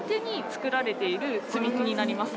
積み木になります。